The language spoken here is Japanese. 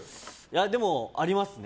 でもありますね。